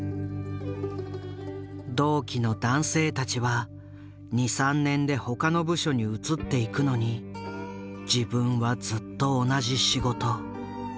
同期の男性たちは２３年で他の部署に移っていくのに自分はずっと同じ仕事。